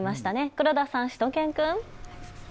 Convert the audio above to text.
黒田さん、しゅと犬くん。